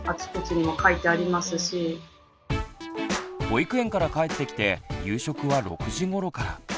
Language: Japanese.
保育園から帰ってきて夕食は６時ごろから。